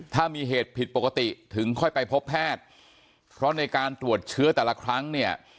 ถ้ามีเหตุผิดปกติถึงค่อยไปพบแพทย์เพราะในการตรวจเชื้อแต่ละครั้งเนี่ย